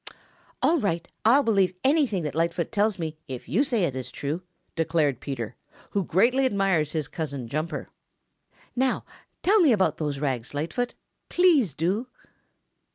"All right! I'll believe anything that Lightfoot tells me if you say it is true," declared Peter, who greatly admires his cousin, Jumper. "Now tell me about those rags, Lightfoot. Please do."